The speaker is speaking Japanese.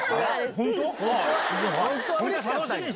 本当？